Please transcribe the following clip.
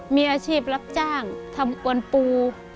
มีอาชีพรับจ้างทำกวนปู